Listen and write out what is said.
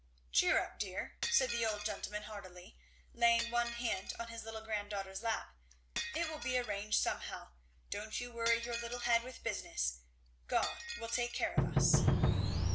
"Cheer up, dear!" said the old gentleman heartily, laying one hand on his little granddaughter's lap, "it will be arranged somehow. Don't you worry your little head with business. God will take care of us."